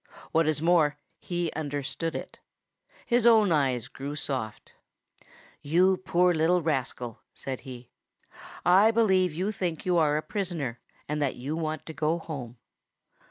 What is more, he understood it. His own eyes grew soft. "You poor little rascal," said he, "I believe you think you are a prisoner and that you want to go back home.